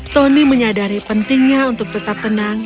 tony menyadari pentingnya untuk tetap tenang